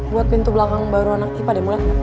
buat pintu belakang baru anak ipa deh mulai